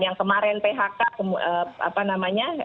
yang kemarin phk apa namanya